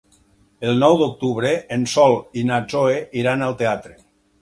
El nou d'octubre en Sol i na Zoè iran al teatre.